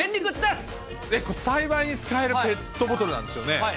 栽培に使えるペットボトルなんですよね。